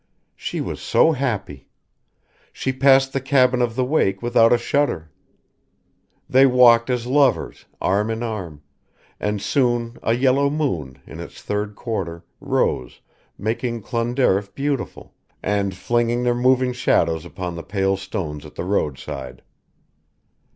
She was so happy. She passed the cabin of the wake without a shudder. They walked as lovers, arm in arm, and soon a yellow moon, in its third quarter, rose, making Clonderriff beautiful, and flinging their moving shadows upon the pale stones at the roadside.